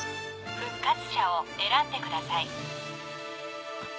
復活者を選んでください。